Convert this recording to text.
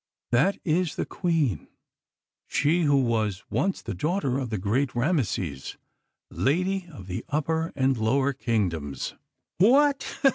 That is the Queen she who was once the daughter of the great Rameses, Lady of the Upper and Lower Kingdoms." "What?"